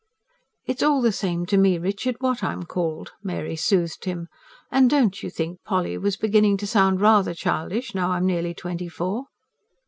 "It's all the same to me, Richard, what I'm called," Mary soothed him. "And don't you think Polly was beginning to sound RATHER childish, now I'm nearly twenty four?"